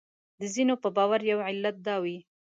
د ځینو په باور یو علت دا وي.